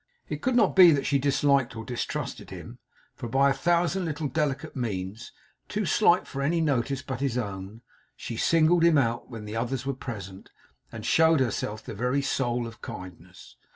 It could not be that she disliked or distrusted him, for by a thousand little delicate means, too slight for any notice but his own, she singled him out when others were present, and showed herself the very soul of kindness.